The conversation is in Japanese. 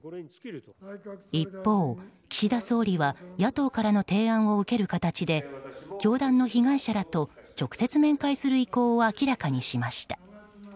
一方、岸田総理は野党からの提案を受ける形で教団の被害者らと直接面会する意向を明らかにしました。